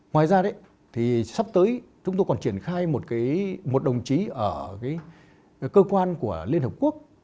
ngoài ra sắp tới chúng tôi còn triển khai một đồng chí ở cơ quan của liên hợp quốc